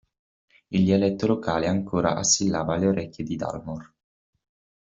Il dialetto locale ancora assillava le orecchie di Dalmor.